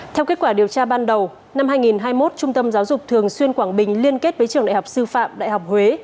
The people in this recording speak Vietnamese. theo kết quả điều tra ban đầu năm hai nghìn hai mươi một trung tâm giáo dục thường xuyên quảng bình liên kết với trường đại học sư phạm đại học huế